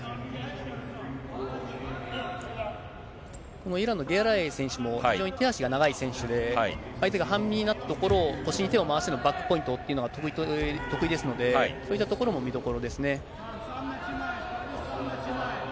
このイランのゲラエイ選手も、非常に手足が長い選手で、相手が半身になったところを、腰に手を回してのバックポイントというのが得意ですので、そういったところも見どころですね。